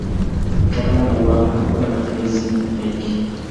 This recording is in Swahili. Kutokana na uhaba hakuna matumizi mengi.